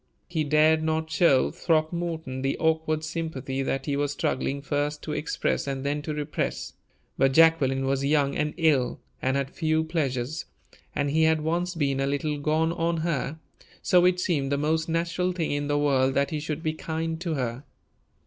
He dared not show Throckmorton the awkward sympathy that he was struggling first to express and then to repress; but Jacqueline was young and ill, and had few pleasures, and he had once been a little gone on her, so it seemed the most natural thing in the world that he should be kind to her.